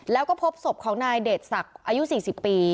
แล้วก็พบสมติของนายเด็ดสักอายุ๔๐ปี